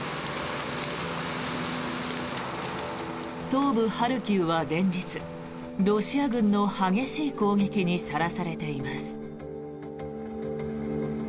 東部ハルキウは連日ロシア軍の激しい攻撃にさらされています。